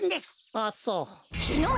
あっそう。